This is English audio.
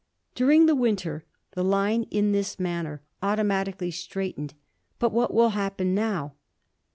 During the winter the line, in this manner, automatically straightened. But what will happen now?